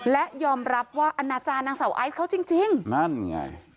และยอมรับว่าอนาจารย์นางสาวไอซ์เขาจริงจริงนั่นไง